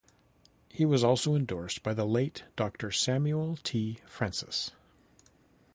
He was also endorsed by the late Doctor Samuel T. Francis.